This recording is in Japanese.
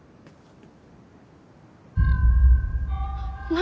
何？